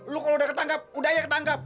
lo kalau udah ketangkep udah aja ketangkep